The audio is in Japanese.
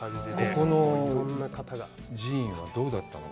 ここの寺院はどうだったの？